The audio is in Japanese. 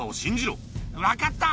分かった。